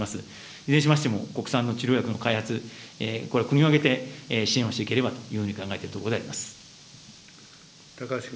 いずれにしましても、国産の治療薬の開発、これ、国を挙げて支援をしていければというふうに考えているところであ高橋君。